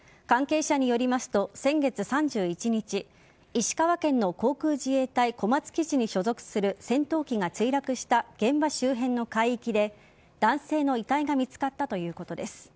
関係者によりますと先月３１日石川県の航空自衛隊小松基地に所属する戦闘機が墜落した現場周辺の海域で男性の遺体が見つかったということです。